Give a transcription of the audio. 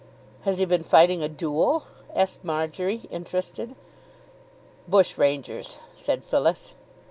"Has he been fighting a duel?" asked Marjory, interested. "Bushrangers," said Phyllis.